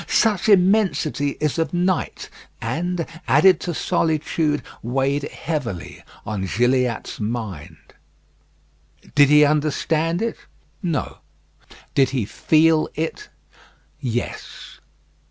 Such immensity is of night, and, added to solitude, weighed heavily on Gilliatt's mind. Did he understand it? No. Did he feel it? Yes.